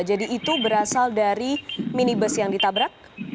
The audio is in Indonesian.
jadi itu berasal dari minibus yang ditabrak